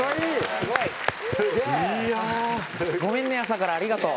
すごい！ごめんね朝からありがとう。